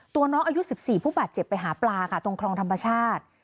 ตัวน้องอายุ๑๔ผู้บาดเจ็บไปหาปลาค่ะตรงคลองธรรมชาติ